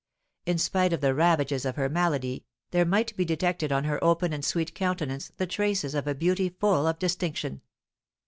In spite of the ravages of her malady, there might be detected on her open and sweet countenance the traces of a beauty full of distinction.